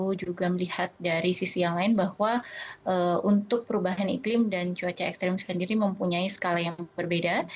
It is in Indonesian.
kita juga melihat dari sisi yang lain bahwa untuk perubahan iklim dan cuaca ekstrim sendiri mempunyai skala yang berbeda